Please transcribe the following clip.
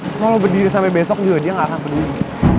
kalau lo berdiri sampe besok juga dia gak akan peduli